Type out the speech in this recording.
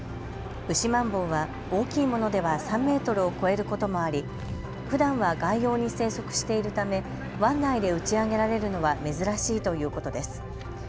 ウシマンボウは大きいものでは３メートルを超えることもありふだんは外洋に生息しているため湾内で打ち上げられるのは珍しいということです。